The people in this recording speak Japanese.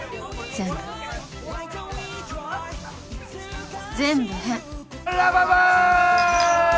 全部全部変ラ・バンバー！